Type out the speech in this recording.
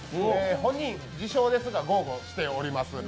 本人、自称ですが豪語しております